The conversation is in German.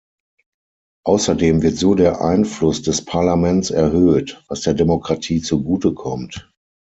Außerdem wird so der Einfluss des Parlaments erhöht, was der Demokratie zugute kommt.